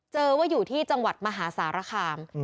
เจอว่าอยู่ที่จังหวัดมหาสารคาม